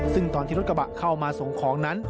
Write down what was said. ซึ่งตอนที่รถกระบะเข้ามาส่งของนั้น